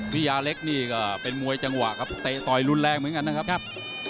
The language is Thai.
ยาเล็กนี่ก็เป็นมวยจังหวะครับเตะต่อยรุนแรงเหมือนกันนะครับ